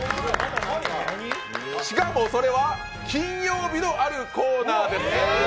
しかも、それは金曜日のあるコーナーです。